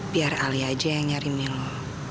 biar alia aja yang nyari mi lo